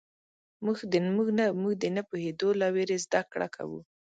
موږ د نه پوهېدو له وېرې زدهکړه کوو.